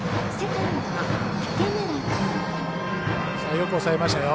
よく抑えましたよ。